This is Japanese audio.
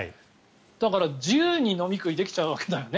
だから、自由に飲み食いできちゃうわけだよね。